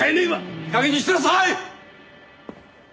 いいかげんにしなさい！